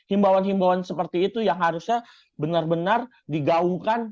imbauan imbauan seperti itu yang harusnya benar benar digauhkan